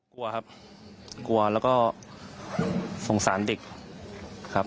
กลัวครับกลัวแล้วก็สงสารเด็กครับ